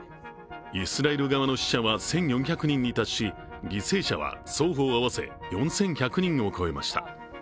イスラエル側の死者は１４００人に達し、犠牲者は双方合わせ４１００人を超えました。